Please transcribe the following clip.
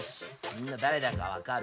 みんな誰だか分かる？